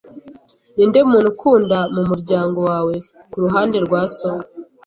Ninde muntu ukunda mumuryango wawe kuruhande rwa so?